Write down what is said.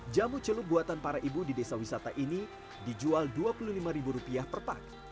jamu celup buatan para ibu di desa wisata ini dijual rp dua puluh lima per pak